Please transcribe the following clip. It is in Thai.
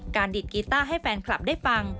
ดีดกีต้าให้แฟนคลับได้ฟัง